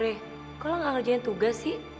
eh kok lo gak ngerjain tugas sih